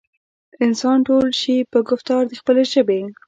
انسان تول شي پۀ ګفتار د خپلې ژبې